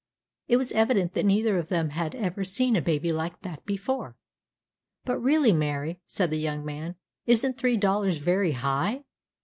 It was evident that neither of them had ever seen a baby like that before. "But really, Mary," said the young man, "isn't three dollars very high?"